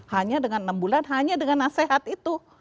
hanya dengan enam bulan hanya dengan nasihat itu